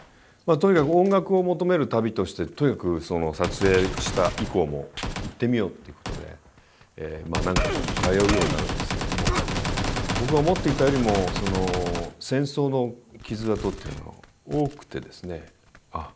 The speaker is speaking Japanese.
とにかく音楽を求める旅としてとにかくその撮影した以降も行ってみようっていうことで何回か通うようになるんですけれども僕が思っていたよりも戦争の傷痕っていうのが多くてですねああ